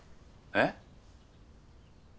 えっ？